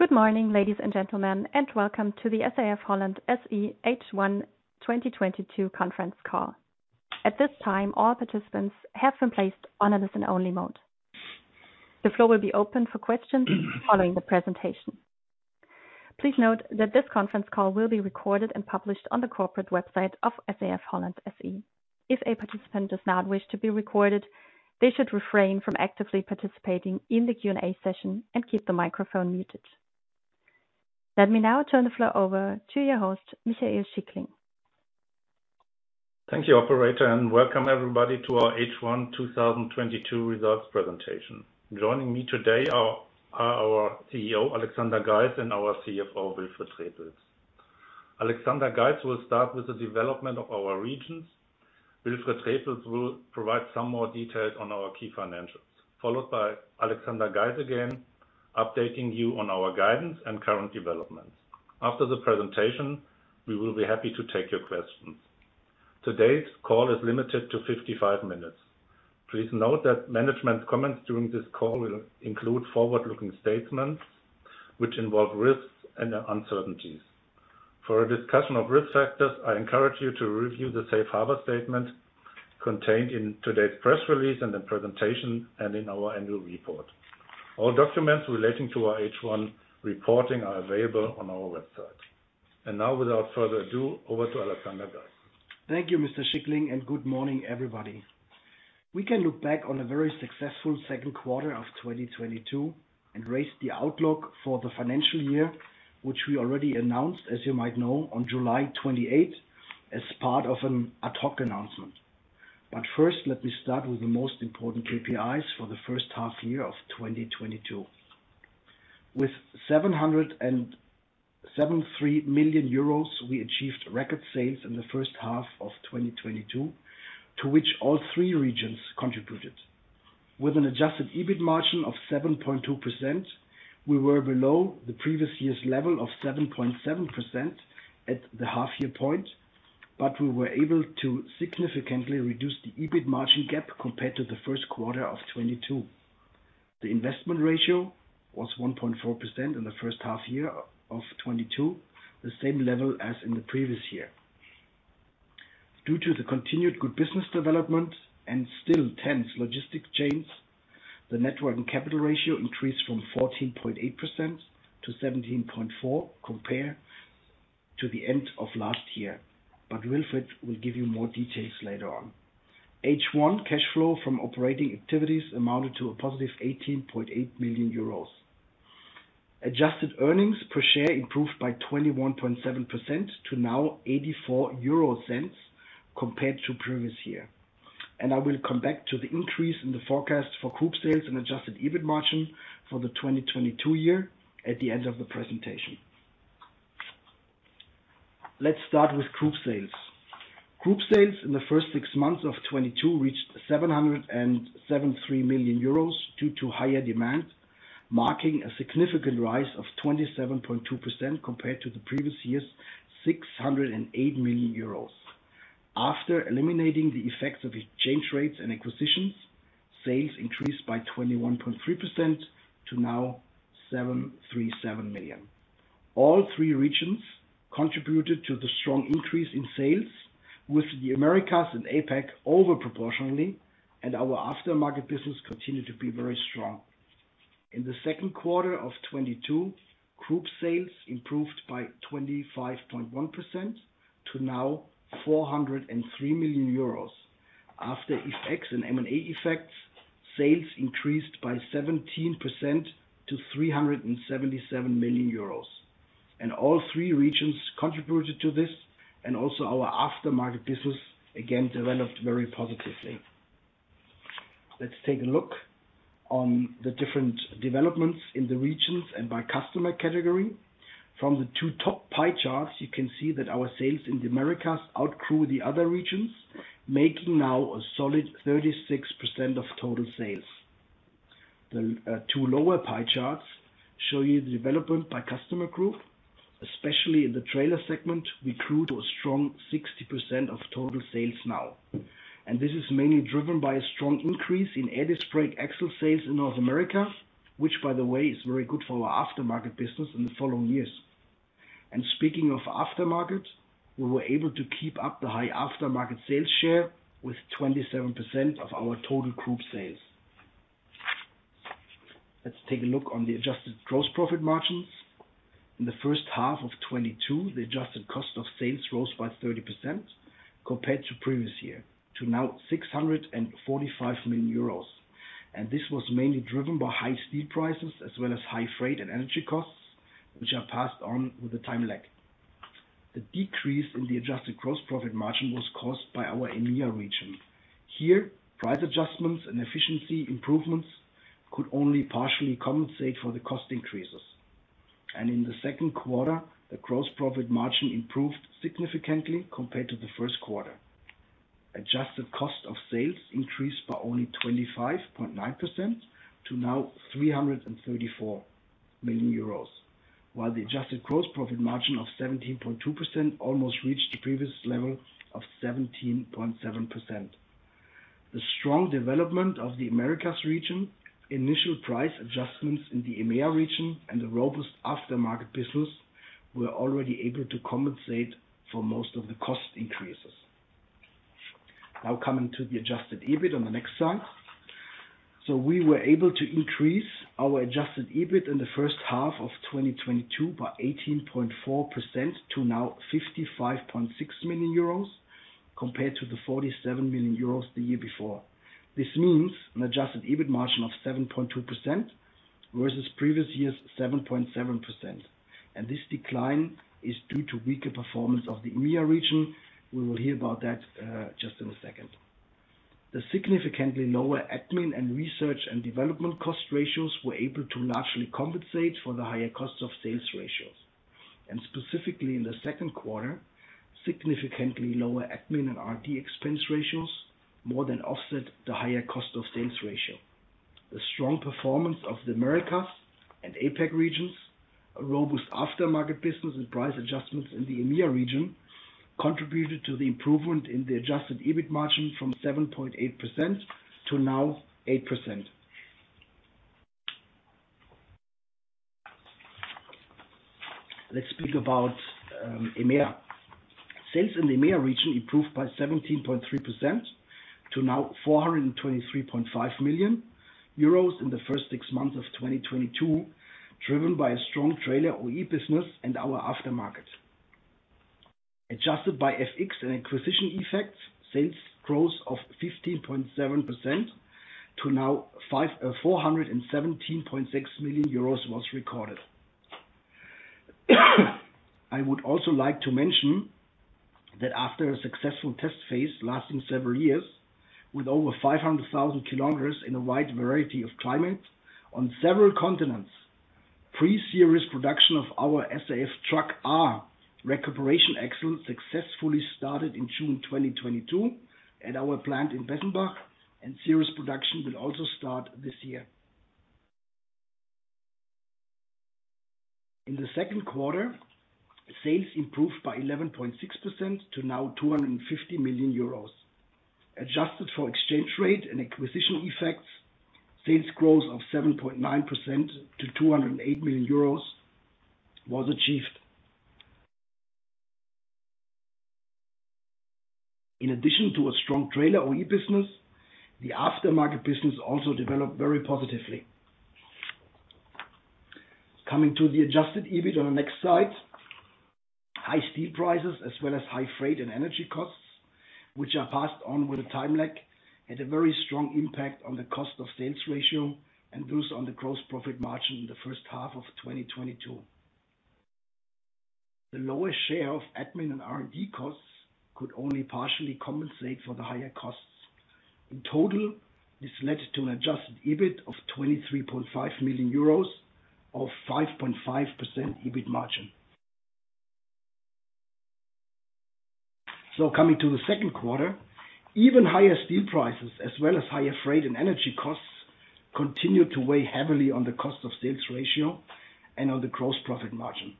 Good morning, ladies and gentlemen, and welcome to the SAF-Holland SE H1 2022 conference call. At this time, all participants have been placed on a listen-only mode. The floor will be open for questions following the presentation. Please note that this conference call will be recorded and published on the corporate website of SAF-Holland SE. If a participant does not wish to be recorded, they should refrain from actively participating in the Q&A session and keep the microphone muted. Let me now turn the floor over to your host, Michael Schickling. Thank you, operator, and welcome everybody to our H1 2022 results presentation. Joining me today are our CEO, Alexander Geis, and our CFO, Wilfried Trepels. Alexander Geis will start with the development of our regions. Wilfried Trepels will provide some more details on our key financials, followed by Alexander Geis again, updating you on our guidance and current developments. After the presentation, we will be happy to take your questions. Today's call is limited to 55 minutes. Please note that management comments during this call will include forward-looking statements which involve risks and uncertainties. For a discussion of risk factors, I encourage you to review the Safe Harbor statement contained in today's press release, and the presentation, and in our annual report. All documents relating to our H1 reporting are available on our website. Now, without further ado, over to Alexander Geis. Thank you, Mr. Schickling, and good morning, everybody. We can look back on a very successful second quarter of 2022 and raise the outlook for the financial year, which we already announced, as you might know, on July 28 as part of an ad hoc announcement. First, let me start with the most important KPIs for the first half-year of 2022. With 773 million euros, we achieved record sales in the first half of 2022, to which all three regions contributed. With an adjusted EBIT margin of 7.2%, we were below the previous year's level of 7.7% at the half-year point, but we were able to significantly reduce the EBIT margin gap compared to the first quarter of 2022. The investment ratio was 1.4% in the first half-year of 2022, the same level as in the previous year. Due to the continued good business development and still tense logistics chains, the net working capital ratio increased from 14.8% to 17.4%, compared to the end of last year. Wilfried will give you more details later on. H1 cash flow from operating activities amounted to a positive 18.8 million euros. Adjusted earnings per share improved by 21.7% to now 0.84 compared to previous year. I will come back to the increase in the forecast for group sales and adjusted EBIT margin for the 2022 year at the end of the presentation. Let's start with group sales. Group sales in the first six months of 2022 reached 773 million euros due to higher demand, marking a significant rise of 27.2% compared to the previous year's 608 million euros. After eliminating the effects of exchange rates and acquisitions, sales increased by 21.3% to 737 million. All three regions contributed to the strong increase in sales with the Americas and APAC over proportionally, and our aftermarket business continued to be very strong. In the second quarter of 2022, group sales improved by 25.1% to 403 million euros. After FX and M&A effects, sales increased by 17% to 377 million euros. All three regions contributed to this, and also our aftermarket business, again, developed very positively. Let's take a look on the different developments in the regions and by customer category. From the two top pie charts, you can see that our sales in the Americas outgrew the other regions, making now a solid 36% of total sales. The two lower pie charts show you the development by customer group. Especially in the trailer segment, we grew to a strong 60% of total sales now. This is mainly driven by a strong increase in air disc brake axle sales in North America, which, by the way, is very good for our aftermarket business in the following years. Speaking of aftermarket, we were able to keep up the high aftermarket sales share with 27% of our total group sales. Let's take a look on the adjusted gross profit margins. In the first half of 2022, the adjusted cost of sales rose by 30% compared to previous year to now 645 million euros. This was mainly driven by high steel prices as well as high freight and energy costs, which are passed on with the time lag. The decrease in the adjusted gross profit margin was caused by our EMEA region. Here, price adjustments and efficiency improvements could only partially compensate for the cost increases. In the second quarter, the gross profit margin improved significantly compared to the first quarter. Adjusted cost of sales increased by only 25.9% to 334 million euros, while the adjusted gross profit margin of 17.2% almost reached the previous level of 17.7%. The strong development of the Americas region, initial price adjustments in the EMEA region and the robust aftermarket business, we're already able to compensate for most of the cost increases. Now coming to the adjusted EBIT on the next slide. We were able to increase our adjusted EBIT in the first half of 2022 by 18.4% to 55.6 million euros, compared to the 47 million euros the year before. This means an adjusted EBIT margin of 7.2% versus previous year's 7.7%, and this decline is due to weaker performance of the EMEA region. We will hear about that just in a second. The significantly lower admin and research and development cost ratios were able to largely compensate for the higher cost of sales ratios. Specifically in the second quarter, significantly lower admin and R&D expense ratios more than offset the higher cost of sales ratio. The strong performance of the Americas and APAC regions, a robust aftermarket business and price adjustments in the EMEA region contributed to the improvement in the adjusted EBIT margin from 7.8% to now 8%. Let's speak about EMEA. Sales in the EMEA region improved by 17.3% to 423.5 million euros in the first six months of 2022, driven by a strong trailer OE business and our aftermarket. Adjusted by FX and acquisition effects, sales growth of 15.7% to 417.6 million euros was recorded. I would also like to mention that after a successful test phase lasting several years with over 500,000 km in a wide variety of climates on several continents, pre-series production of our SAF TRAKr recuperation axle successfully started in June 2022 at our plant in Bessenbach, and series production will also start this year. In the second quarter, sales improved by 11.6% to 250 million euros. Adjusted for exchange rate and acquisition effects, sales growth of 7.9% to 208 million euros was achieved. In addition to a strong trailer OE business, the aftermarket business also developed very positively. Coming to the adjusted EBIT on the next slide. High steel prices as well as high freight and energy costs, which are passed on with a time lag, had a very strong impact on the cost of sales ratio and those on the gross profit margin in the first half of 2022. The lowest share of admin and R&D costs could only partially compensate for the higher costs. In total, this led to an adjusted EBIT of 23.5 million euros, or 5.5% EBIT margin. Coming to the second quarter, even higher steel prices as well as higher freight and energy costs continued to weigh heavily on the cost of sales ratio and on the gross profit margin.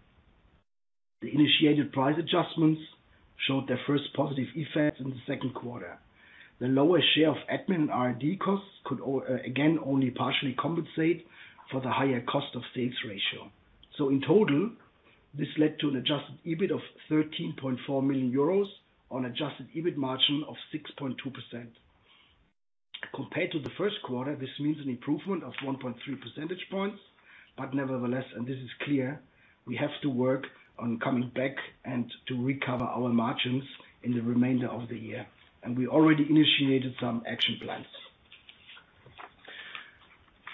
The initiated price adjustments showed their first positive effect in the second quarter. The lower share of admin and R&D costs could again only partially compensate for the higher cost of sales ratio. In total, this led to an adjusted EBIT of 13.4 million euros on adjusted EBIT margin of 6.2%. Compared to the first quarter, this means an improvement of 1.3 percentage points. Nevertheless, and this is clear, we have to work on coming back and to recover our margins in the remainder of the year, and we already initiated some action plans.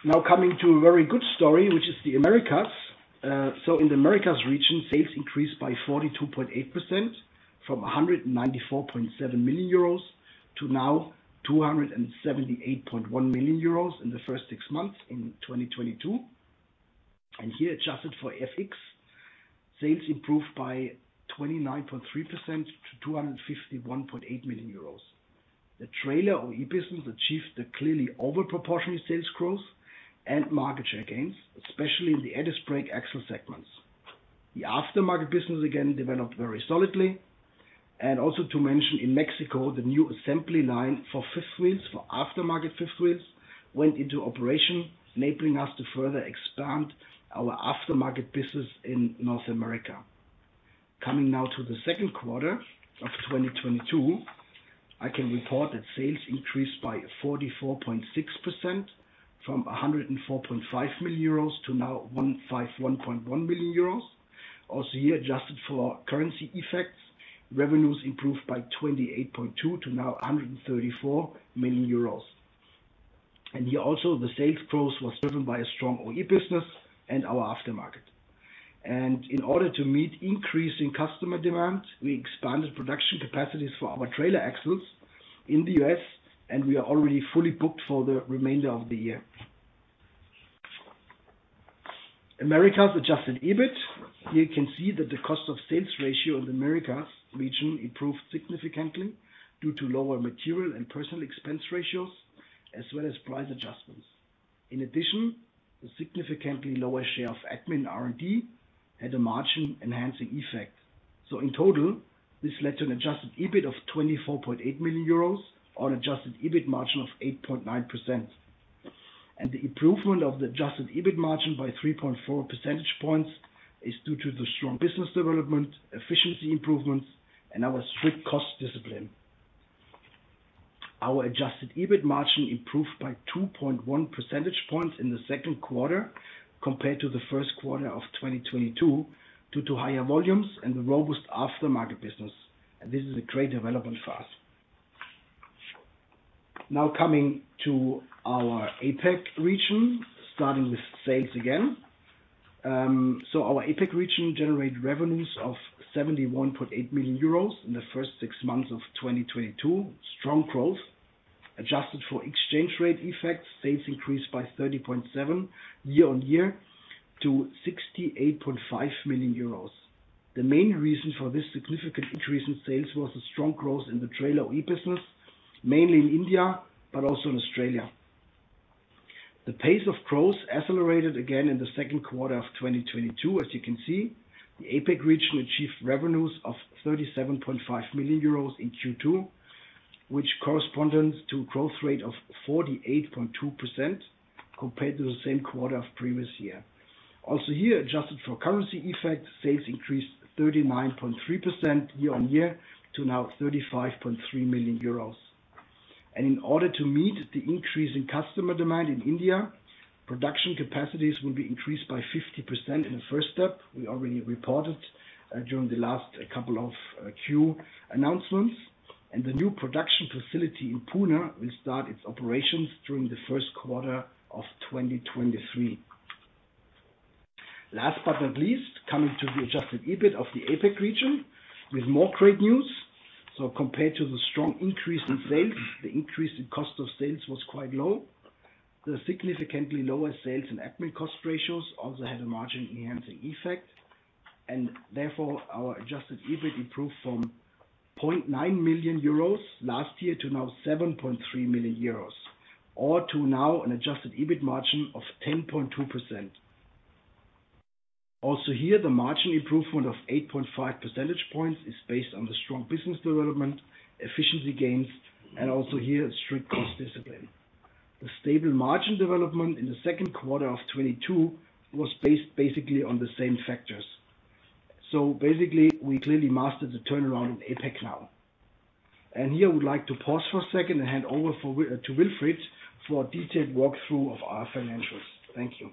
Now coming to a very good story, which is the Americas. In the Americas region, sales increased by 42.8% from 194.7 million euros to now 278.1 million euros in the first six months in 2022. Here, adjusted for FX, sales improved by 29.3% to 251.8 million euros. The trailer OE business achieved a clearly overproportionate sales growth and market share gains, especially in the brake axle segments. The aftermarket business again developed very solidly. Also to mention, in Mexico, the new assembly line for fifth wheels, for aftermarket fifth wheels, went into operation, enabling us to further expand our aftermarket business in North America. Coming now to the second quarter of 2022, I can report that sales increased by 44.6% from 104.5 million euros to now 151.1 million euros. Also here, adjusted for currency effects, revenues improved by 28.2% to now 134 million euros. Here also, the sales growth was driven by a strong OE business and our aftermarket. In order to meet increasing customer demand, we expanded production capacities for our trailer axles in the U.S., and we are already fully booked for the remainder of the year. Americas adjusted EBIT. Here you can see that the cost of sales ratio in the Americas region improved significantly due to lower material and personnel expense ratios, as well as price adjustments. In addition, the significantly lower share of admin and R&D had a margin-enhancing effect. In total, this led to an adjusted EBIT of 24.8 million euros on adjusted EBIT margin of 8.9%. The improvement of the adjusted EBIT margin by 3.4 percentage points is due to the strong business development, efficiency improvements, and our strict cost discipline. Our adjusted EBIT margin improved by 2.1 percentage points in the second quarter compared to the first quarter of 2022 due to higher volumes and the robust aftermarket business. This is a great development for us. Now coming to our APAC region, starting with sales again. So our APAC region generated revenues of 71.8 million euros in the first six months of 2022. Strong growth. Adjusted for exchange rate effects, sales increased by 30.7% year-on-year to 68.5 million euros. The main reason for this significant increase in sales was the strong growth in the trailer OE business, mainly in India, but also in Australia. The pace of growth accelerated again in the second quarter of 2022, as you can see. The APAC region achieved revenues of 37.5 million euros in Q2, which corresponds to a growth rate of 48.2% compared to the same quarter of previous year. Here, adjusted for currency effect, sales increased 39.3% year-on-year to now 35.3 million euros. In order to meet the increase in customer demand in India, production capacities will be increased by 50% in the first step. We already reported during the last couple of Q announcements. The new production facility in Pune will start its operations during the first quarter of 2023. Last but not least, coming to the adjusted EBIT of the APAC region with more great news. Compared to the strong increase in sales, the increase in cost of sales was quite low. The significantly lower sales and admin cost ratios also had a margin-enhancing effect. Therefore, our adjusted EBIT improved from 0.9 million euros last year to now 7.3 million euros, or to now an adjusted EBIT margin of 10.2%. Also here, the margin improvement of 8.5 percentage points is based on the strong business development, efficiency gains, and also here, strict cost discipline. The stable margin development in the second quarter of 2022 was based basically on the same factors. Basically, we clearly mastered the turnaround in APAC now. Here, I would like to pause for a second and hand over to Wilfried for a detailed walkthrough of our financials. Thank you.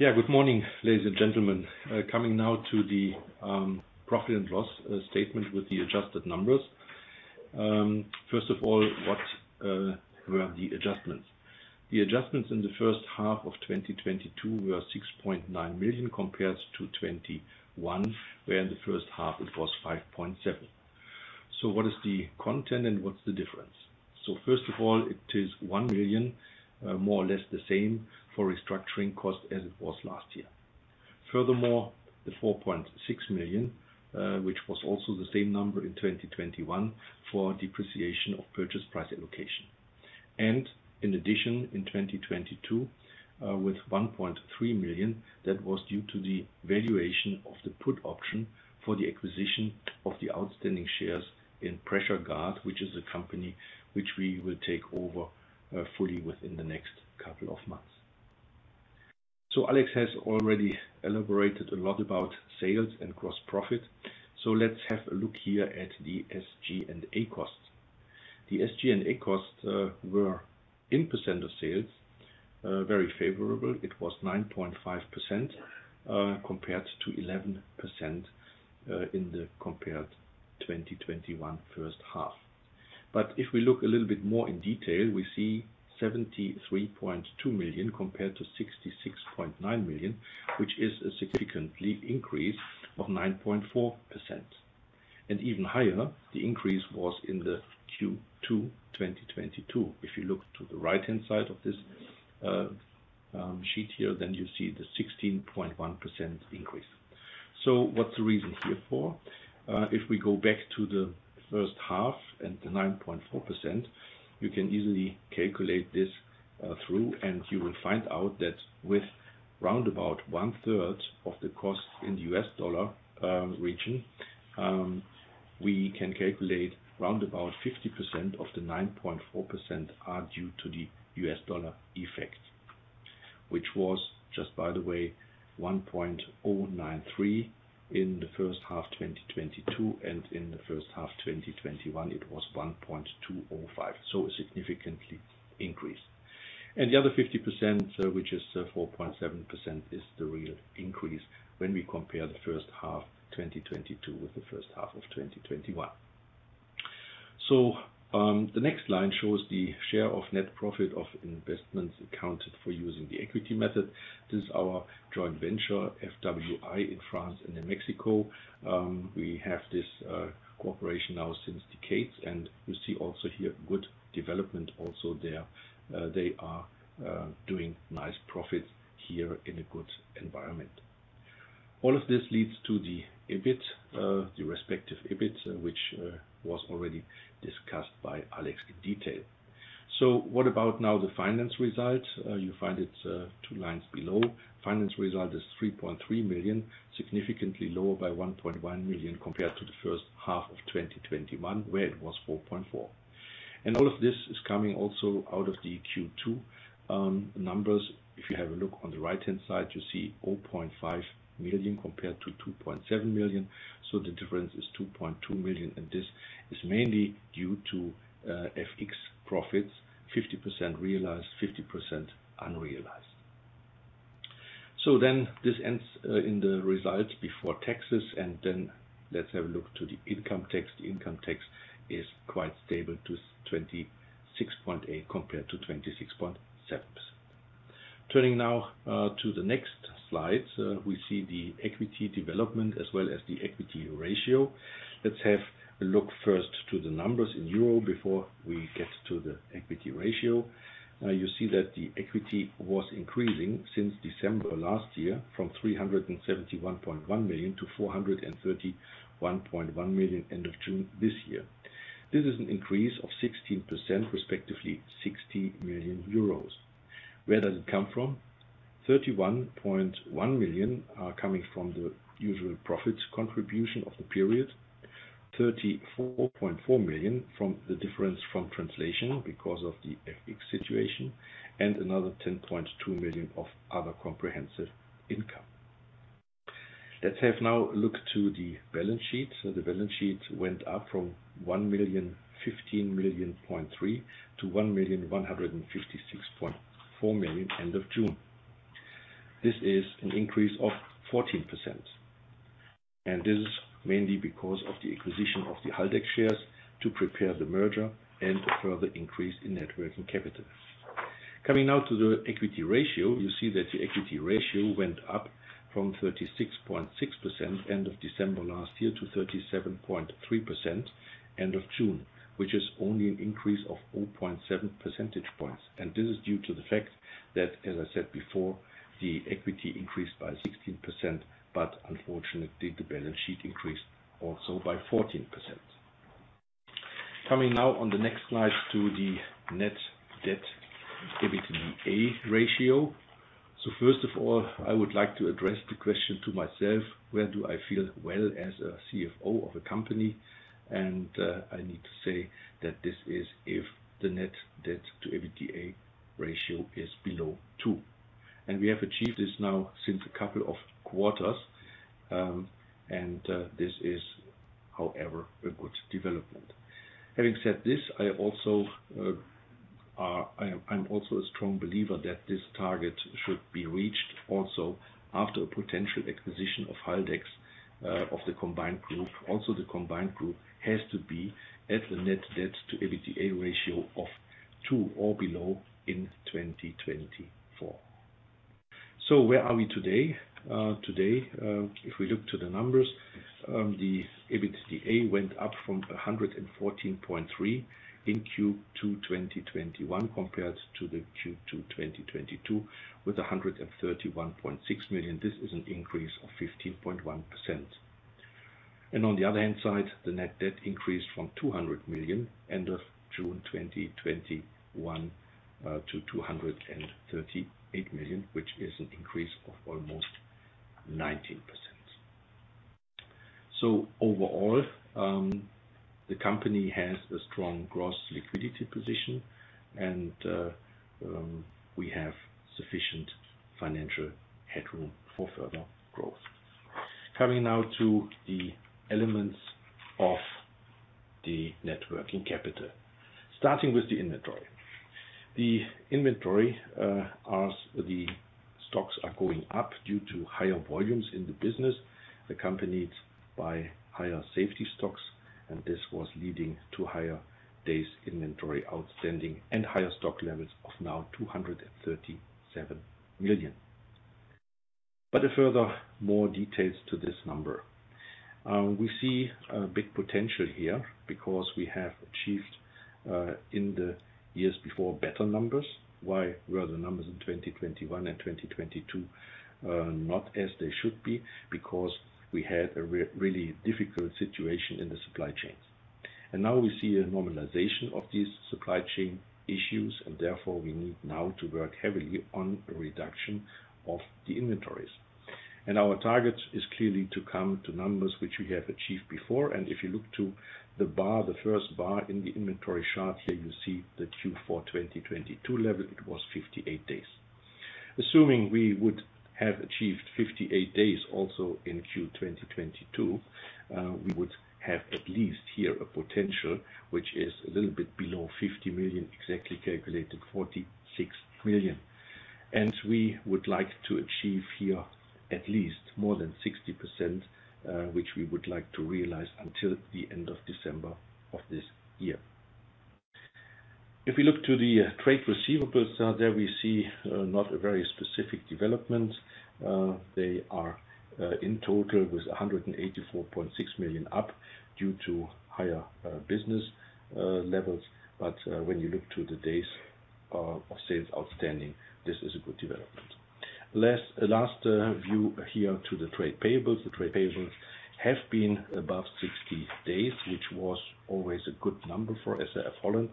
Yeah. Good morning, ladies and gentlemen. Coming now to the profit and loss statement with the adjusted numbers. First of all, what were the adjustments? The adjustments in the first half of 2022 were 6.9 million compared to 2021, where in the first half it was 5.7 million. What is the content, and what's the difference? First of all, it is 1 million, more or less the same for restructuring costs as it was last year. Furthermore, the 4.6 million, which was also the same number in 2021, for depreciation of purchase price allocation. In addition, in 2022, with 1.3 million, that was due to the valuation of the put option for the acquisition of the outstanding shares in PressureGuard, which is a company which we will take over fully within the next couple of months. Alex has already elaborated a lot about sales and gross profit. Let's have a look here at the SG&A costs. The SG&A costs were, in percent of sales, very favorable. It was 9.5%, compared to 11% in the compared 2021 first half. If we look a little bit more in detail, we see 73.2 million compared to 66.9 million, which is a significant leap increase of 9.4%. Even higher, the increase was in the Q2 2022. If you look to the right-hand side of this, sheet here, then you see the 16.1% increase. What's the reason here for? If we go back to the first half and the 9.4%, you can easily calculate this through, and you will find out that with round about one-third of the cost in the U.S. dollar region, we can calculate round about 50% of the 9.4% are due to the U.S. dollar effect, which was just by the way, 1.093 in the first half 2022, and in the first half 2021, it was 1.205. A significant leap increase. The other 50%, which is 4.7%, is the real increase when we compare the first half 2022 with the first half of 2021. The next line shows the share of net profit of investments accounted for using the equity method. This is our joint venture, FWI, in France and in Mexico. We have this cooperation now since decades, and you see also here good development also there. They are doing nice profits here in a good environment. All of this leads to the EBIT, the respective EBIT, which was already discussed by Alex in detail. What about now the finance result? You find it two lines below. Finance result is 3.3 million, significantly lower by 1.1 million compared to the first half of 2021, where it was 4.4 million. All of this is coming also out of the Q2 numbers. If you have a look on the right-hand side, you see 0.5 million compared to 2.7 million. The difference is 2.2 million, and this is mainly due to FX profits, 50% realized, 50% unrealized. This ends in the results before taxes, and let's have a look to the income tax. The income tax is quite stable to 26.8 million compared to 26.7 million. Turning now to the next slide. We see the equity development as well as the equity ratio. Let's have a look first at the numbers in EUR before we get to the equity ratio. Now you see that the equity was increasing since December last year from 371.1 million to 431.1 million end of June this year. This is an increase of 16% respectively 60 million euros. Where does it come from? 31.1 million are coming from the usual profits contribution of the period. 34.4 million from the difference from translation because of the FX situation, and another 10.2 million of other comprehensive income. Let's have now a look at the balance sheet. The balance sheet went up from 1015.3 million to 1,156.4 million end of June. This is an increase of 14%, and this is mainly because of the acquisition of the Haldex shares to prepare the merger and a further increase in net working capital. Coming now to the equity ratio, you see that the equity ratio went up from 36.6% end of December last year to 37.3% end of June, which is only an increase of 0.7 percentage points. This is due to the fact that, as I said before, the equity increased by 16%, but unfortunately the balance sheet increased also by 14%. Coming now on the next slide to the net debt EBITDA ratio. First of all, I would like to address the question to myself: Where do I feel well as a CFO of a company? I need to say that this is if the net debt to EBITDA ratio is below two. We have achieved this now since a couple of quarters, this is, however, a good development. Having said this, I'm also a strong believer that this target should be reached also after a potential acquisition of Haldex, of the combined group. The combined group has to be at the net debt to EBITDA ratio of two or below in 2024. Where are we today? Today, if we look to the numbers, the EBITDA went up from 114.3 million in Q2 2021 compared to the Q2 2022 with 131.6 million. This is an increase of 15.1%. On the other hand side, the net debt increased from 200 million end of June 2021 to 238 million, which is an increase of almost 19%. Overall, the company has a strong gross liquidity position and we have sufficient financial headroom for further growth. Coming now to the elements of the net working capital. Starting with the inventory. The inventory, as the stocks are going up due to higher volumes in the business, the company buy higher safety stocks and this was leading to higher days inventory outstanding and higher stock levels of now 237 million. Furthermore details to this number. We see a big potential here because we have achieved in the years before better numbers. Why were the numbers in 2021 and 2022 not as they should be? Because we had a really difficult situation in the supply chains. Now we see a normalization of these supply chain issues and therefore we need now to work heavily on a reduction of the inventories. Our target is clearly to come to numbers which we have achieved before and if you look to the bar, the first bar in the inventory chart here, you see the Q4 2022 level, it was 58 days. Assuming we would have achieved 58 days also in Q 2022, we would have at least here a potential which is a little bit below 50 million, exactly calculated 46 million. We would like to achieve here at least more than 60%, which we would like to realize until the end of December of this year. If we look to the trade receivables, there we see not a very specific development. They are in total with 184.6 million up due to higher business levels. When you look to the days sales outstanding. This is a good development. Let's view here to the trade payables. The trade payables have been above 60 days, which was always a good number for SAF-Holland.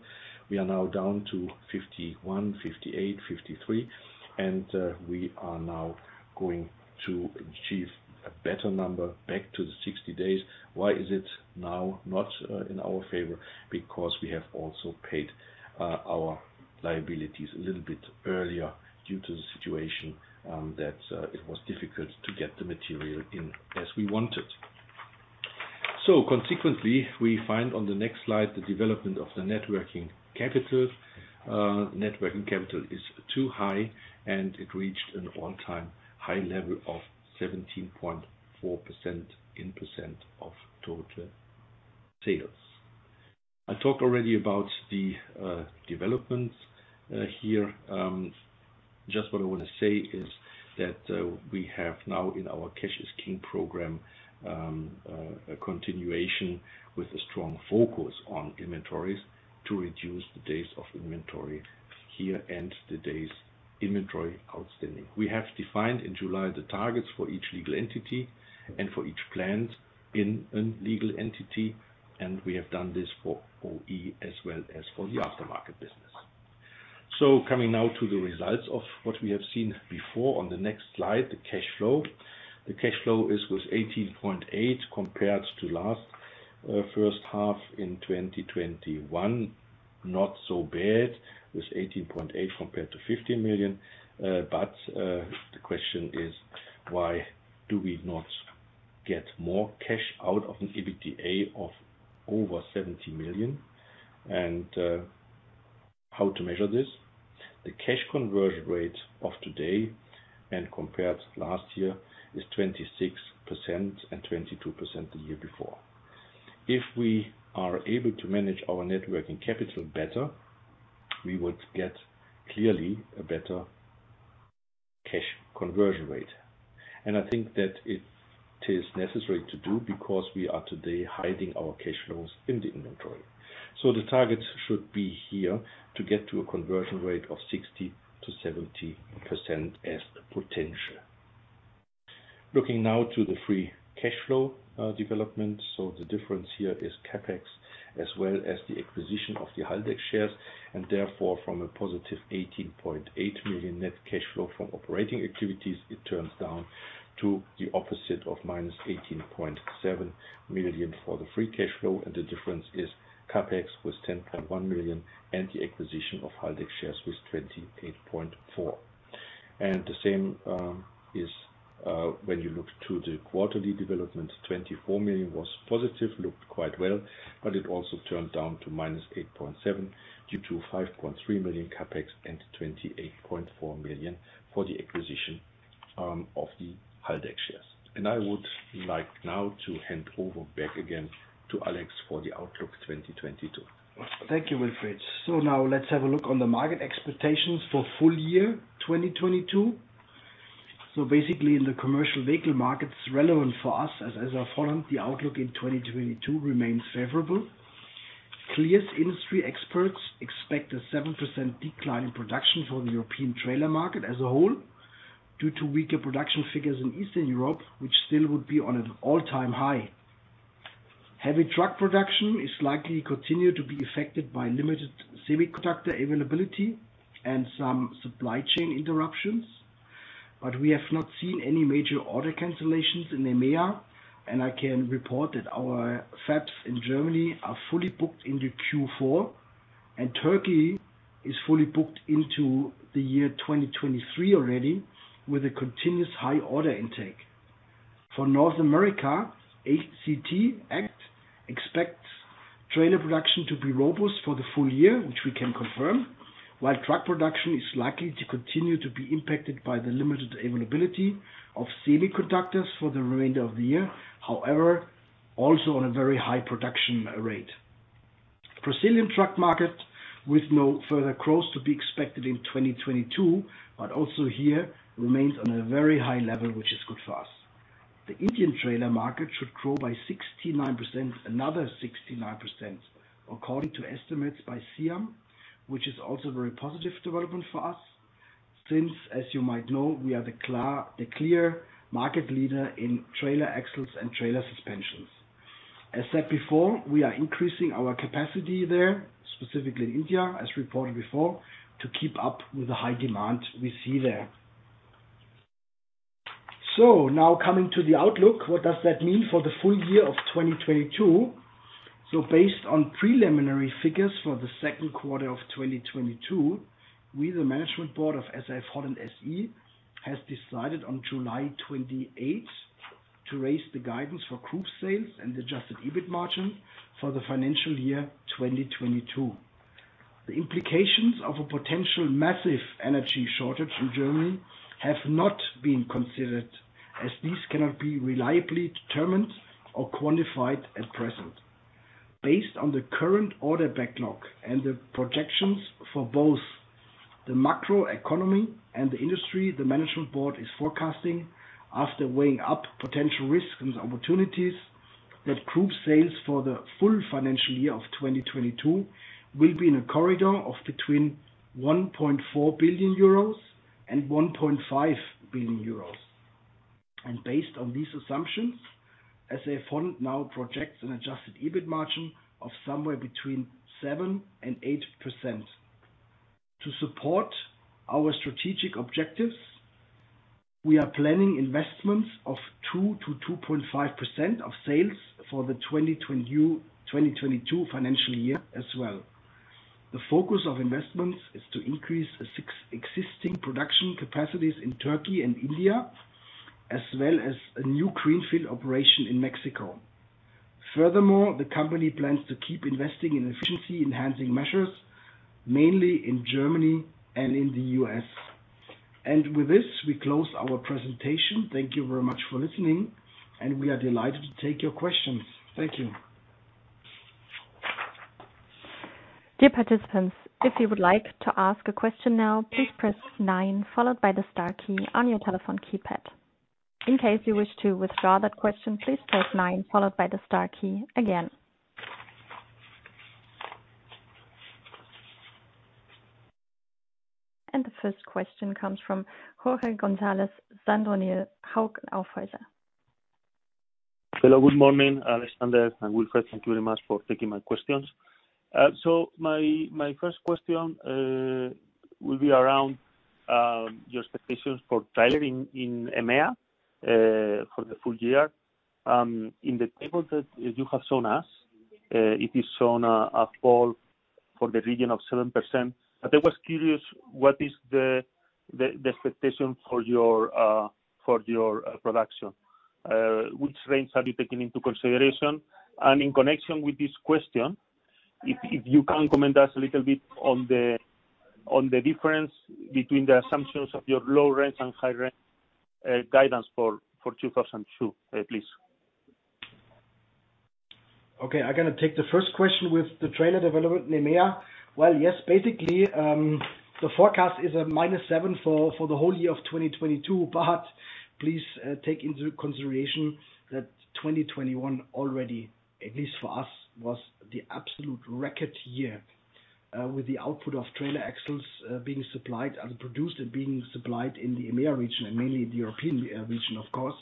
We are now down to 51, 58, 53, and we are now going to achieve a better number back to the 60 days. Why is it now not in our favor? Because we have also paid our liabilities a little bit earlier due to the situation that it was difficult to get the material in as we wanted. Consequently, we find on the next slide the development of the net working capital. Net working capital is too high, and it reached an all-time high level of 17.4% in percent of total sales. I talked already about the developments here. Just what I want to say is that we have now in our Cash-is-King program a continuation with a strong focus on inventories to reduce the days of inventory here and the days inventory outstanding. We have defined in July the targets for each legal entity and for each plant in a legal entity, and we have done this for OE as well as for the aftermarket business. Coming now to the results of what we have seen before on the next slide, the cash flow. The cash flow was 18.8 million compared to first half in 2021. Not so bad, with 18.8 million compared to 50 million. But the question is, why do we not get more cash out of an EBITDA of over 70 million? How to measure this. The cash conversion rate of today and compared to last year is 26% and 22% the year before. If we are able to manage our net working capital better, we would get clearly a better cash conversion rate. I think that it is necessary to do because we are today hiding our cash flows in the inventory. The target should be here to get to a conversion rate of 60%-70% as potential. Looking now to the free cash flow development. The difference here is CapEx as well as the acquisition of the Haldex shares, and therefore from a +18.8 million net cash flow from operating activities, it turns down to the opposite of -18.7 million for the free cash flow. The difference is CapEx was 10.1 million, and the acquisition of Haldex shares was 28.4 million. The same is when you look to the quarterly development, 24 million was positive, looked quite well, but it also turned down to -8.7 million due to 5.3 million CapEx and 28.4 million for the acquisition of the Haldex shares. I would like now to hand over back again to Alex for the outlook 2022. Thank you, Wilfried. Now let's have a look on the market expectations for full-year 2022. Basically in the commercial vehicle markets relevant for us as SAF-Holland, the outlook in 2022 remains favorable. CLEAR industry experts expect a 7% decline in production for the European trailer market as a whole due to weaker production figures in Eastern Europe, which still would be on an all-time high. Heavy truck production is likely continue to be affected by limited semiconductor availability and some supply chain interruptions. We have not seen any major order cancellations in EMEA, and I can report that our fabs in Germany are fully booked into Q4, and Turkey is fully booked into the year 2023 already, with a continuous high order intake. For North America, ACT expects trailer production to be robust for the full year, which we can confirm, while truck production is likely to continue to be impacted by the limited availability of semiconductors for the remainder of the year. However, also on a very high production rate. Brazilian truck market with no further growth to be expected in 2022, but also here remains on a very high level, which is good for us. The Indian trailer market should grow by 69%, another 69%, according to estimates by SIAM, which is also a very positive development for us, since, as you might know, we are the clear market leader in trailer axles and trailer suspensions. As said before, we are increasing our capacity there, specifically in India, as reported before, to keep up with the high demand we see there. Now coming to the outlook, what does that mean for the full year of 2022? Based on preliminary figures for the second quarter of 2022, we, the management board of SAF-Holland SE, has decided on July 28 to raise the guidance for group sales and adjusted EBIT margin for the financial year 2022. The implications of a potential massive energy shortage in Germany have not been considered, as these cannot be reliably determined or quantified at present. Based on the current order backlog and the projections for both the macro economy and the industry, the management board is forecasting, after weighing up potential risks and opportunities, that group sales for the full financial year of 2022 will be in a corridor of between 1.4 billion euros and 1.5 billion euros. Based on these assumptions, as they follow, now projects an adjusted EBIT margin of somewhere between 7% and 8%. To support our strategic objectives, we are planning investments of 2%-2.5% of sales for the 2022 financial year as well. The focus of investments is to increase existing production capacities in Turkey and India, as well as a new greenfield operation in Mexico. Furthermore, the company plans to keep investing in efficiency-enhancing measures, mainly in Germany and in the U.S. With this, we close our presentation. Thank you very much for listening, and we are delighted to take your questions. Thank you. Dear participants, if you would like to ask a question now, please press nine followed by the star key on your telephone keypad. In case you wish to withdraw that question, please press nine followed by the star key again. The first question comes from Jorge González Sadornil, Hauck Aufhäuser. Hello. Good morning, Alexander and Wilfried. Thank you very much for taking my questions. My first question will be around your expectations for trailer in EMEA for the full year. In the table that you have shown us, it is shown a fall for the region of 7%. I was curious, what is the expectation for your production? Which range are you taking into consideration? In connection with this question, if you can comment to us a little bit on the difference between the assumptions of your low range and high range guidance for 2022, please. Okay, I'm gonna take the first question with the trailer development in EMEA. Well, yes, basically, the forecast is -7% for the whole year of 2022. Please take into consideration that 2021 already, at least for us, was the absolute record year with the output of trailer axles being supplied and produced and being supplied in the EMEA region, and mainly the European region, of course.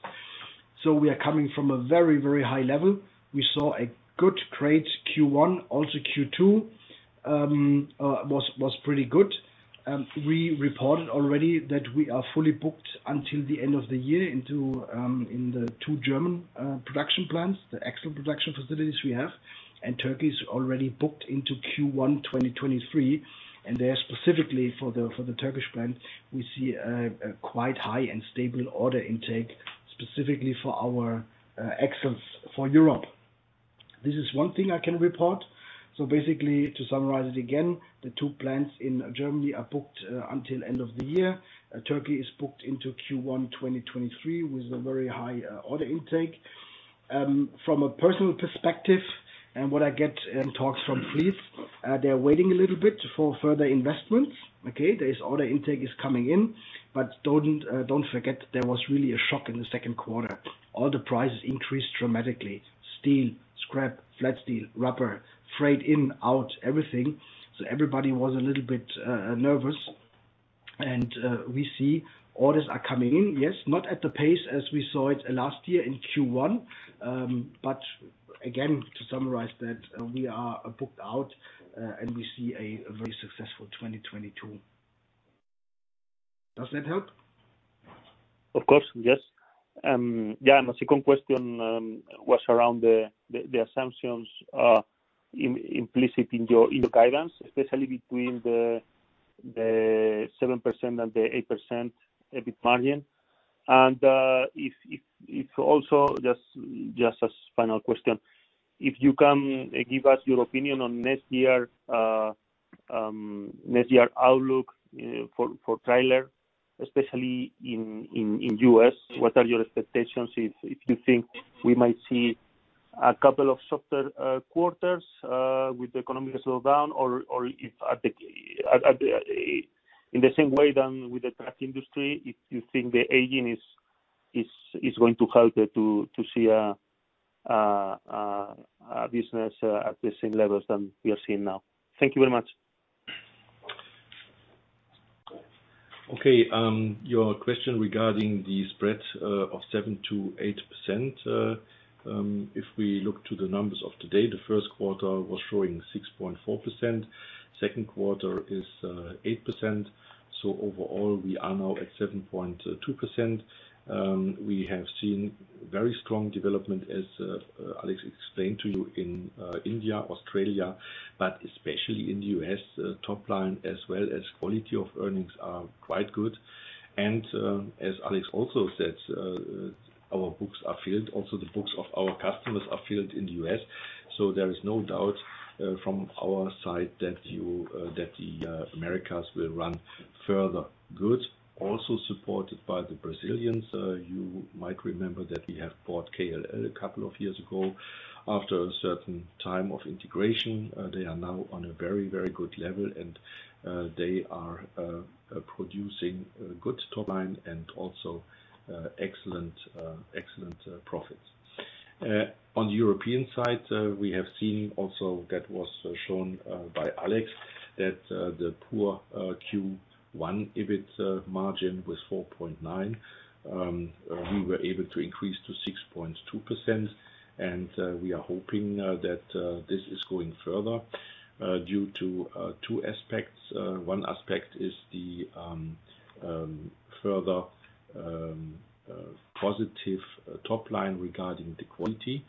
We are coming from a very, very high level. We saw a good, great Q1, also Q2 was pretty good. We reported already that we are fully booked until the end of the year in the two German production plants, the axle production facilities we have. Turkey's already booked into Q1 2023. There specifically for the Turkish plant, we see a quite high and stable order intake, specifically for our axles for Europe. This is one thing I can report. Basically, to summarize it again, the two plants in Germany are booked until end of the year. Turkey is booked into Q1 2023 with a very high order intake. From a personal perspective and what I get in talks from fleets, they're waiting a little bit for further investments, okay? This order intake is coming in, but don't forget there was really a shock in the second quarter. All the prices increased dramatically. Steel, scrap, flat steel, rubber, freight in, out, everything. Everybody was a little bit nervous. We see orders are coming in, yes. Not at the pace as we saw it last year in Q1. Again, to summarize that we are booked out, and we see a very successful 2022. Does that help? Of course, yes. Yeah, my second question was around the assumptions implicit in your guidance, especially between the 7% and the 8% EBIT margin. Also, just as final question, if you can give us your opinion on next year outlook for trailer, especially in the U.S. What are your expectations if you think we might see a couple of softer quarters with the economic slowdown or if in the same way than with the truck industry, if you think the aging is going to help to see a business at the same levels than we are seeing now. Thank you very much. Okay, your question regarding the spread of 7%-8%. If we look to the numbers of today, the first quarter was showing 6.4%, second quarter is 8%. Overall, we are now at 7.2%. We have seen very strong development, as Alex explained to you in India, Australia, but especially in the U.S., top line as well as quality of earnings are quite good. As Alex also said, our books are filled, also the books of our customers are filled in the U.S. There is no doubt from our side that the Americas will run further good. Also supported by the Brazilians. You might remember that we have bought KLL a couple of years ago. After a certain time of integration, they are now on a very, very good level, and they are producing good top line and also. Excellent profits. On the European side, we have seen also, that was shown by Alex, that the prior Q1 EBIT margin was 4.9%. We were able to increase to 6.2%, and we are hoping that this is going further due to two aspects. One aspect is the further positive top line regarding the quantity,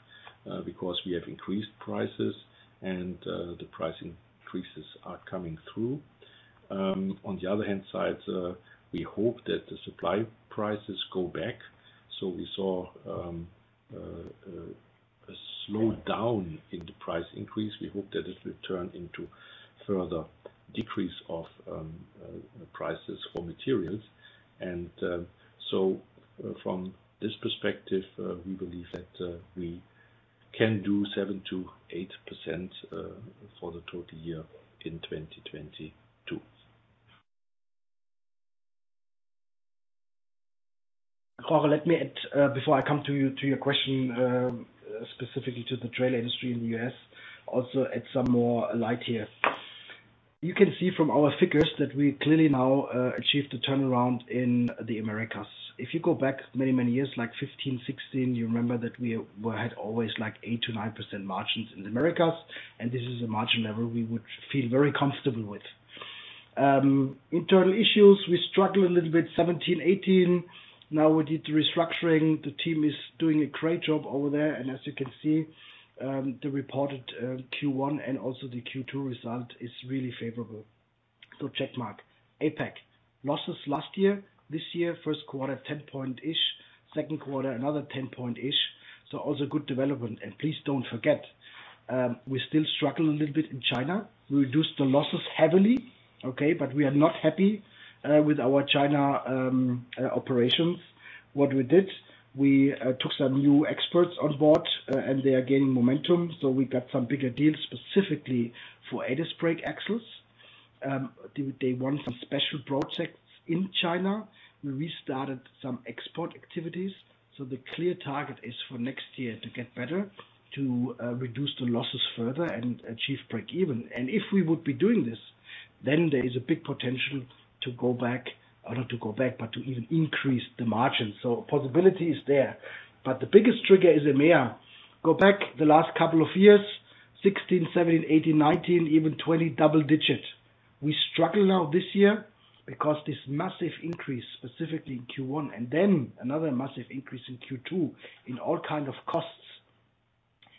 because we have increased prices and the price increases are coming through. On the other hand side, we hope that the supply prices go back. We saw a slowdown in the price increase. We hope that it will turn into further decrease of prices for materials. From this perspective, we believe that we can do 7%-8% for the total year in 2022. Jorge, let me add, before I come to you, to your question, specifically to the trailer industry in the U.S., also add some more light here. You can see from our figures that we clearly now achieved a turnaround in the Americas. If you go back many, many years, like 2015, 2016, you remember that we had always, like, 8%-9% margins in the Americas, and this is a margin level we would feel very comfortable with. Internal issues, we struggled a little bit 2017, 2018. Now we did the restructuring. The team is doing a great job over there. As you can see, the reported Q1 and also the Q2 result is really favorable. Check mark. APAC. Losses last year. This year, first quarter, 10%-ish. Second quarter, another 10%-ish. Also good development. Please don't forget, we still struggle a little bit in China. We reduced the losses heavily, okay, but we are not happy with our China operations. What we did, we took some new experts on board, and they are gaining momentum. We got some bigger deals specifically for air disc brake axles. They want some special projects in China. We restarted some export activities. The clear target is for next year to get better, to reduce the losses further and achieve break even. If we would be doing this, then there is a big potential to go back, or not to go back, but to even increase the margin. Possibility is there. The biggest trigger is EMEA. Go back the last couple of years, 2016, 2017, 2018, 2019, even 2020 double digit. We struggle now this year because this massive increase, specifically in Q1, and then another massive increase in Q2 in all kinds of costs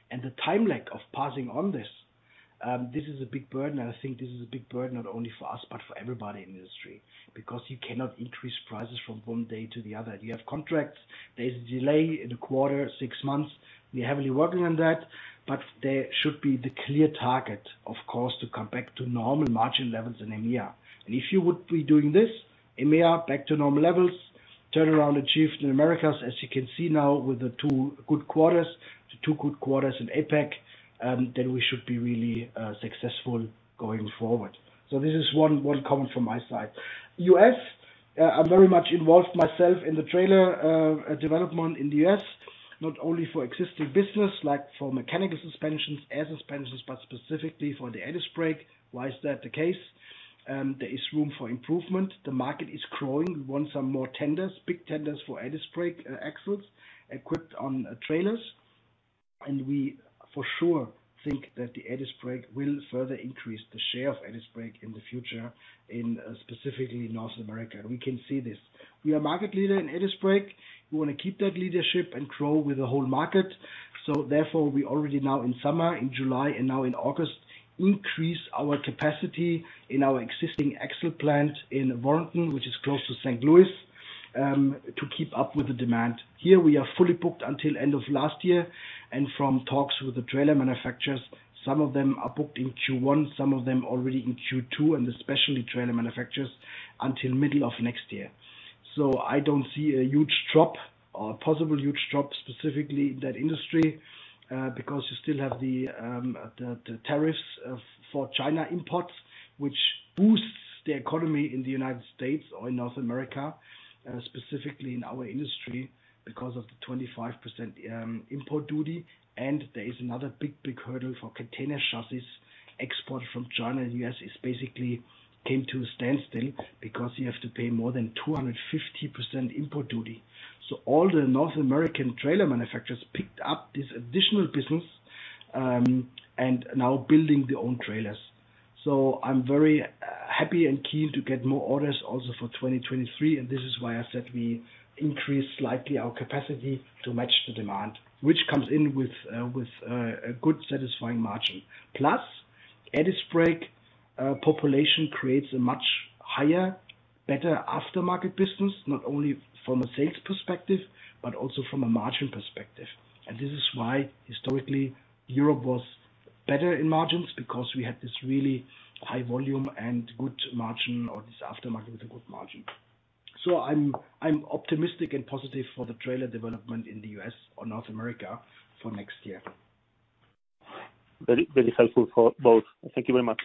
and the time lag of passing on this. This is a big burden, and I think this is a big burden not only for us, but for everybody in the industry, because you cannot increase prices from one day to the next. You have contracts. There's a delay in the quarter, six months. We're heavily working on that. There should be the clear target, of course, to come back to normal margin levels in EMEA. If you would be doing this, EMEA back to normal levels, turnaround achieved in Americas, as you can see now with the two good quarters in APAC, then we should be really successful going forward. This is one comment from my side. U.S., I'm very much involved myself in the trailer development in the U.S., not only for existing business, like for mechanical suspensions, air suspensions, but specifically for the air disc brake. Why is that the case? There is room for improvement. The market is growing. We want some more tenders, big tenders for air disc brake axles equipped on trailers. We for sure think that the air disc brake will further increase the share of air disc brake in the future, in specifically North America. We can see this. We are market leader in air disc brake. We wanna keep that leadership and grow with the whole market. Therefore, we already now in summer, in July and now in August, increase our capacity in our existing axle plant in Warrenton, which is close to St. Louis, to keep up with the demand. Here we are fully booked until end of last year. From talks with the trailer manufacturers, some of them are booked in Q1, some of them already in Q2, and especially trailer manufacturers until middle of next year. I don't see a huge drop or possible huge drop specifically in that industry, because you still have the tariffs for China imports, which boosts the economy in the United States or in North America, specifically in our industry because of the 25% import duty. There is another big hurdle for container chassis export from China and U.S. is basically came to a standstill because you have to pay more than 250% import duty. All the North American trailer manufacturers picked up this additional business, and now building their own trailers. I'm very happy and keen to get more orders also for 2023, and this is why I said we increased slightly our capacity to match the demand, which comes in with a good satisfying margin. Plus, air disc brake population creates a much higher, better aftermarket business, not only from a sales perspective, but also from a margin perspective. This is why historically Europe was better in margins, because we had this really high volume and good margin or this aftermarket with a good margin. I'm optimistic and positive for the trailer development in the U.S. or North America for next year. Very, very helpful for both. Thank you very much.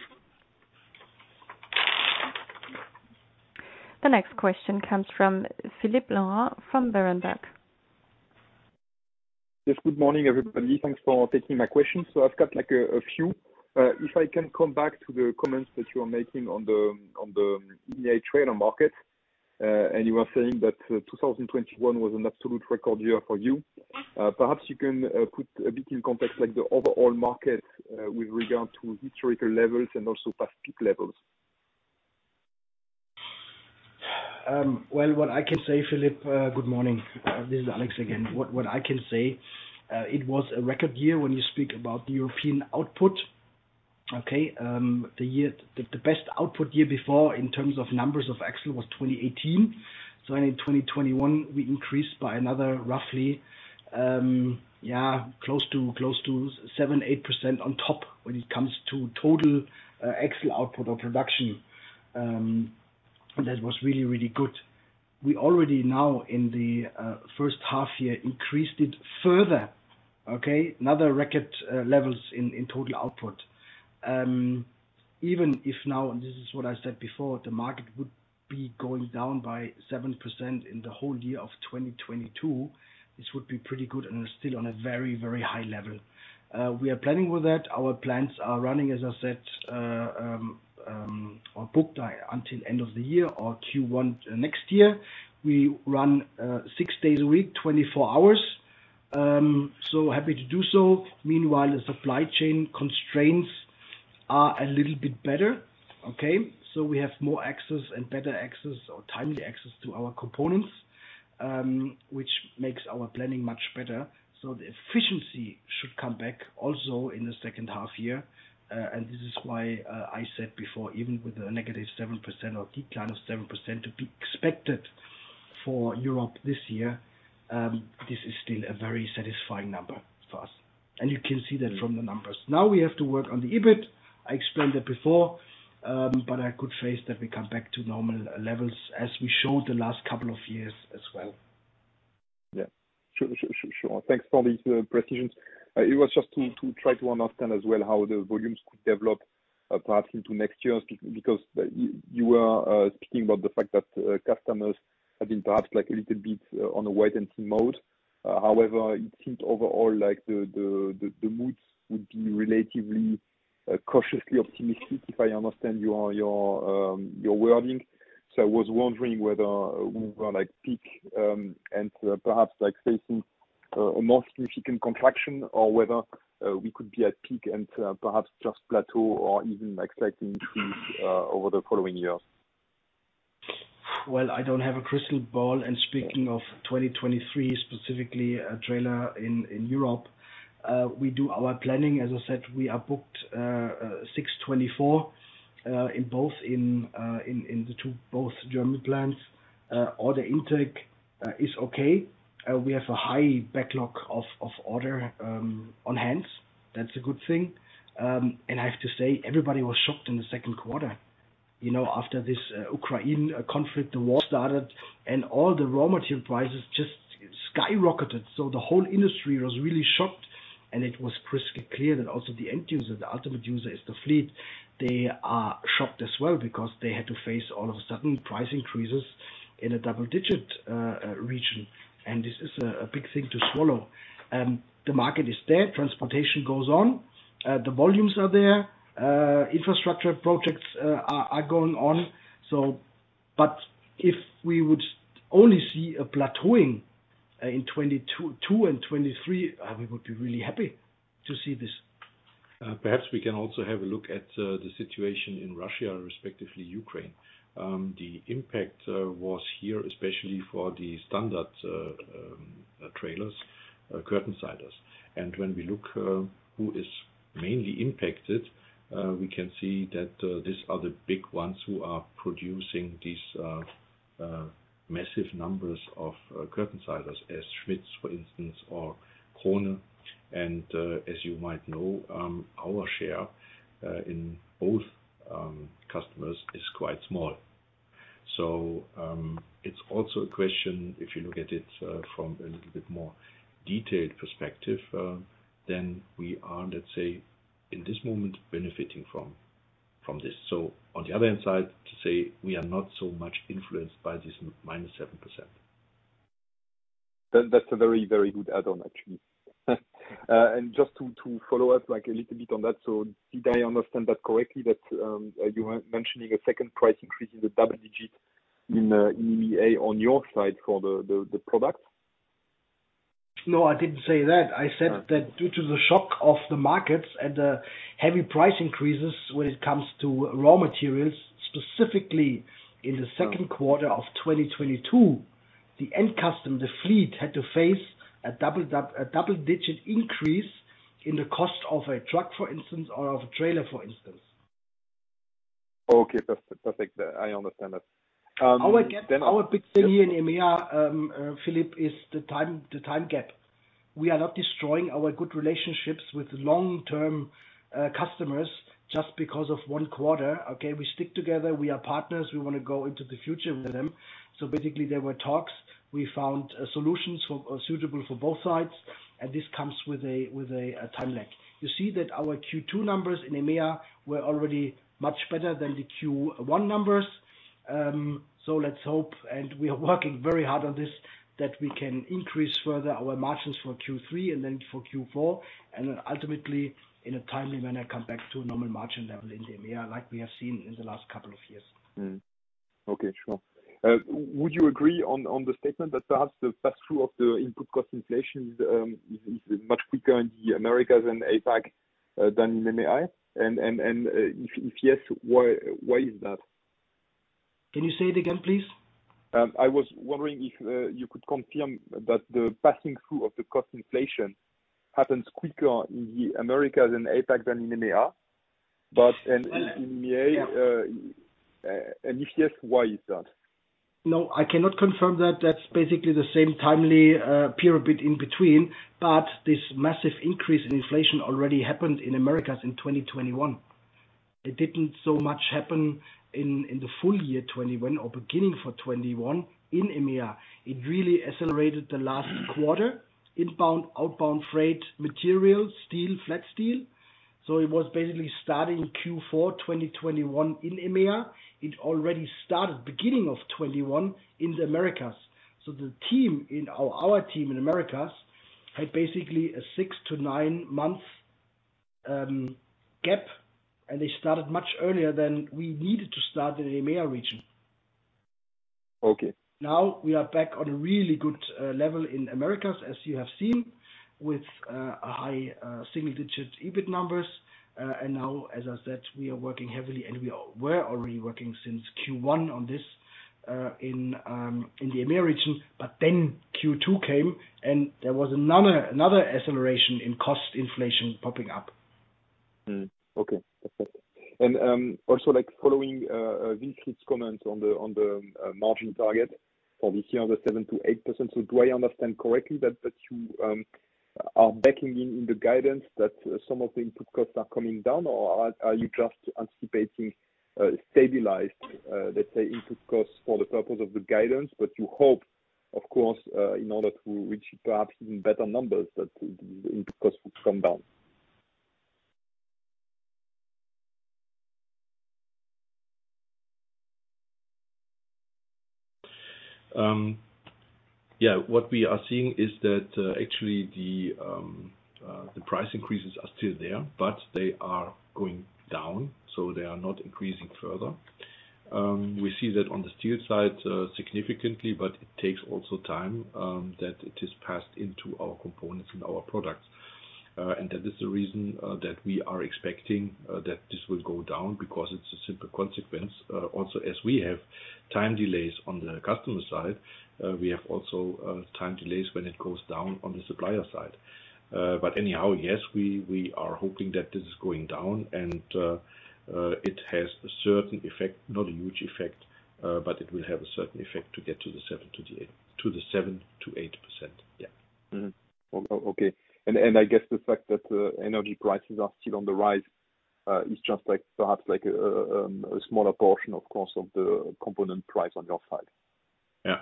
The next question comes from Philippe Lorrain from Berenberg. Yes. Good morning, everybody. Thanks for taking my question. I've got, like, a few. If I can come back to the comments that you are making on the EMEA trailer market, and you are saying that 2021 was an absolute record year for you. Perhaps you can put a bit in context like the overall market with regard to historical levels and also past peak levels. Well, what I can say, Philippe, good morning. This is Alex again. What I can say, it was a record year when you speak about the European output, okay? The best output year before in terms of numbers of axle was 2018. So in 2021, we increased by another roughly, yeah, close to 7%-8% on top when it comes to total axle output or production. And that was really good. We already now, in the first half year, increased it further, okay? Another record levels in total output. Even if now, this is what I said before, the market would be going down by 7% in the whole year of 2022, this would be pretty good and still on a very high level. We are planning with that. Our plants are running, as I said, are booked until end of the year or Q1 next year. We run six days a week, 24 hours. Happy to do so. Meanwhile, the supply chain constraints are a little bit better, okay? We have more access and better access or timely access to our components, which makes our planning much better. The efficiency should come back also in the second half year. This is why I said before, even with a -7% or decline of 7% to be expected for Europe this year, this is still a very satisfying number for us. You can see that from the numbers. Now we have to work on the EBIT. I explained that before, but I could say is that we come back to normal levels as we showed the last couple of years as well. Sure. Thanks for the precisions. It was just to try to understand as well how the volumes could develop, perhaps into next year because you were speaking about the fact that customers have been perhaps, like, a little bit on a wait-and-see mode. However, it seems overall like the moods would be relatively cautiously optimistic, if I understand your wording. I was wondering whether we were like peak and perhaps, like, facing a more significant contraction or whether we could be at peak and perhaps just plateau or even, like, slight increase over the following years. Well, I don't have a crystal ball, and speaking of 2023, specifically a trailer in Europe, we do our planning, as I said, we are booked 06/2024 in both German plants. Order intake is okay. We have a high backlog of orders on hand. That's a good thing. I have to say, everybody was shocked in the second quarter. You know, after this Ukraine conflict, the war started and all the raw material prices just skyrocketed. The whole industry was really shocked, and it was crystal clear that also the end user, the ultimate user is the fleet. They are shocked as well because they had to face all of a sudden price increases in a double-digit region. This is a big thing to swallow. The market is there. Transportation goes on. The volumes are there. Infrastructure projects are going on. If we would only see a plateauing in 2022 and 2023, we would be really happy to see this. Perhaps we can also have a look at the situation in Russia, respectively Ukraine. The impact was here, especially for the standard trailers, curtainsiders. When we look who is mainly impacted, we can see that these are the big ones who are producing these massive numbers of curtainsiders as Schmitz, for instance, or Kögel. As you might know, our share in both customers is quite small. It's also a question if you look at it from a little bit more detailed perspective, then we are, let's say, in this moment, benefiting from this. On the other hand side, to say we are not so much influenced by this -7%. That's a very, very good add-on, actually. Just to follow up, like, a little bit on that. Did I understand that correctly, that you were mentioning a second price increase in the double digit in EMEA on your side for the products? No, I didn't say that. I said that due to the shock of the markets and the heavy price increases when it comes to raw materials, specifically in the second quarter of 2022, the end customer, the fleet, had to face a double-digit increase in the cost of a truck, for instance, or of a trailer, for instance. Okay. Perfect. I understand that. Our big thing here in EMEA, Philippe, is the time gap. We are not destroying our good relationships with long-term customers just because of one quarter, okay? We stick together. We are partners. We wanna go into the future with them. Basically, there were talks. We found solutions suitable for both sides, and this comes with a time lag. You see that our Q2 numbers in EMEA were already much better than the Q1 numbers. Let's hope, and we are working very hard on this, that we can increase further our margins for Q3 and then for Q4, and then ultimately, in a timely manner, come back to a normal margin level in EMEA, like we have seen in the last couple of years. Would you agree on the statement that perhaps the pass-through of the input cost inflation is much quicker in the Americas and APAC than in EMEA? If yes, why is that? Can you say it again, please? I was wondering if you could confirm that the passing through of the cost inflation happens quicker in the Americas and APAC than in EMEA. In EMEA and if yes, why is that? No, I cannot confirm that. That's basically the same time period between. This massive increase in inflation already happened in Americas in 2021. It didn't so much happen in the full-year 2021 or beginning of 2021 in EMEA. It really accelerated the last quarter, inbound, outbound freight, materials, steel, flat steel. It was basically starting Q4 2021 in EMEA. It already started beginning of 2021 in the Americas. The team in our team in Americas had basically a six to nine-month gap, and they started much earlier than we needed to start in the EMEA region. Okay. Now we are back on a really good level in Americas, as you have seen, with a high single-digit EBIT numbers. Now, as I said, we are working heavily, and we're already working since Q1 on this, in the EMEA region. Then Q2 came and there was another acceleration in cost inflation popping up. Mm-hmm. Okay. That's it. Also, like, following Wilfried's comments on the margin target for this year, the 7%-8%. Do I understand correctly that you are baking in the guidance that some of the input costs are coming down? Or are you just anticipating stabilized, let's say input costs for the purpose of the guidance, but you hope, of course, in order to reach perhaps even better numbers that input costs will come down? Yeah. What we are seeing is that actually the price increases are still there, but they are going down, so they are not increasing further. We see that on the steel side significantly, but it takes also time that it is passed into our components and our products. That is the reason that we are expecting that this will go down because it's a simple consequence. Also, as we have time delays on the customer side, we have also time delays when it goes down on the supplier side. But anyhow, yes, we are hoping that this is going down and it has a certain effect. Not a huge effect, but it will have a certain effect to get to the 7%-8%. Yeah. Mm-hmm. Okay. I guess the fact that energy prices are still on the rise is just like, perhaps like, a smaller portion, of course, of the component price on your side. Yeah.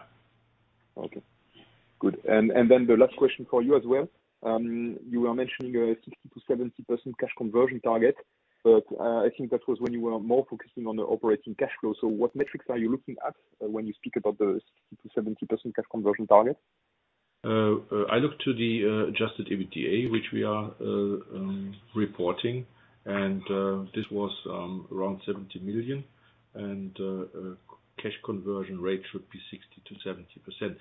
Okay. Good. The last question for you as well. You were mentioning a 60%-70% cash conversion target, but I think that was when you were more focusing on the operating cash flows. What metrics are you looking at when you speak about the 60%-70% cash conversion target? I look to the adjusted EBITDA, which we are reporting, and this was around 70 million. Cash conversion rate should be 60%-70%.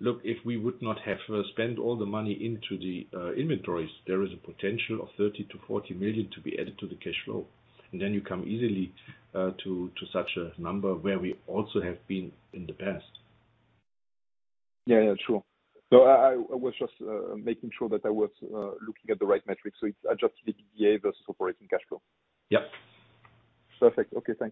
Look, if we would not have spent all the money into the inventories, there is a potential of 30 million-40 million to be added to the cash flow. Then you come easily to such a number where we also have been in the past. Yeah, sure. I was just making sure that I was looking at the right metrics. It's adjusted EBITDA versus operating cash flow. Yep. Perfect. Okay. Thank you.